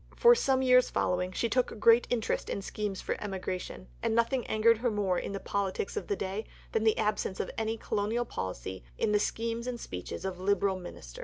For some years following, she took great interest in schemes for emigration, and nothing angered her more in the politics of the day than the absence of any Colonial Policy in the schemes and speeches of Liberal Ministers.